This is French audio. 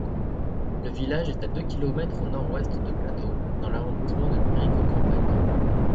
Le village est à deux kilomètres au nord-ouest de Gladau, dans l'arrondissement de Jerichow-Campagne.